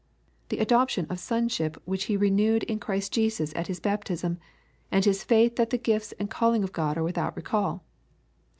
— The adoption of sonship which he renewed in Christ Jesus at his baptism, and his faith that the gifts and calling of God are without recall."